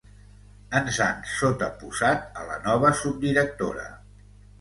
Ens han sotaposat a la nova subdirectora.